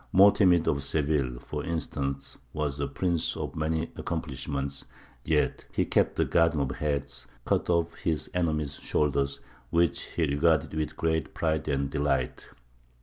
Mo'temid of Seville, for instance, was a prince of many accomplishments, yet he kept a garden of heads, cut off his enemies' shoulders, which he regarded with great pride and delight.